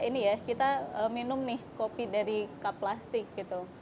ini ya kita minum nih kopi dari kap plastik gitu